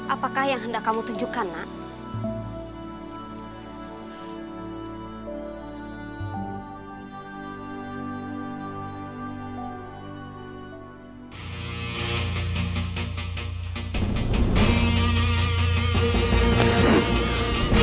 apakah yang hendak kamu tunjukkan nak